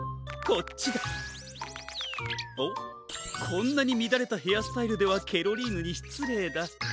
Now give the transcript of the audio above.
こんなにみだれたヘアスタイルではケロリーヌにしつれいだ。